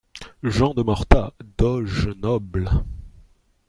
- Jean de Morta, doge noble.